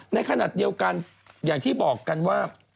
ในขณะเดียวกันอย่างที่บอกกันว่า